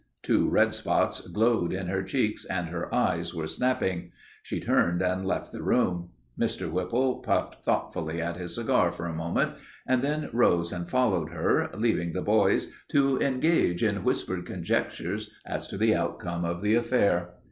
Two red spots glowed in her cheeks and her eyes were snapping. She turned and left the room. Mr. Whipple puffed thoughtfully at his cigar for a moment and then rose and followed her, leaving the boys to engage in whispered conjectures as to the outcome of the affair.